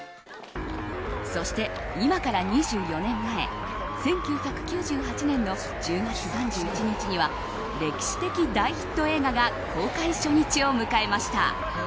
そして今から２４年前１９９８年の１０月３１日には歴史的大ヒット映画が公開初日を迎えました。